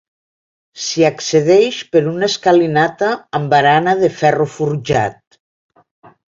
S'hi accedeix per una escalinata amb barana de ferro forjat.